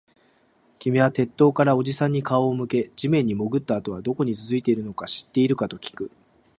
君は鉄塔からおじさんに顔を向け、地面に潜ったあとはどこに続いているのか知っているかときく